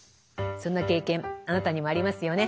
そんな経験あなたにもありますよね。